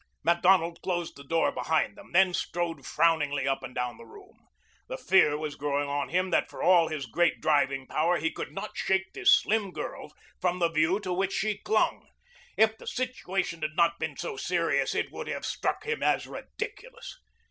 Macdonald closed the door behind them, then strode frowning up and down the room. The fear was growing on him that for all his great driving power he could not shake this slim girl from the view to which she clung. If the situation had not been so serious, it would have struck him as ridiculous.